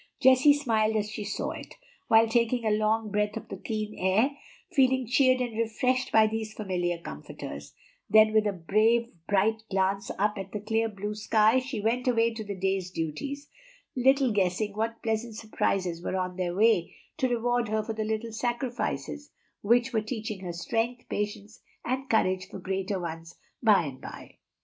Jessie smiled as she saw it, while taking a long breath of the keen air, feeling cheered and refreshed by these familiar comforters; then with a brave, bright glance up at the clear blue sky she went away to the day's duties, little guessing what pleasant surprises were on their way to reward her for the little sacrifices which were teaching her strength, patience, and courage for greater ones by and by.